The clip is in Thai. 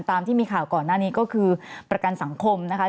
ตามที่มีข่าวก่อนหน้านี้ก็คือประกันสังคมนะคะ